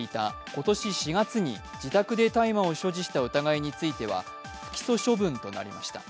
今年４月に自宅で大麻を所持した疑いについては不起訴処分となりました。